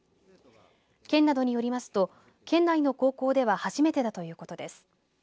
県などによりますと県内の高校では初めてだということです。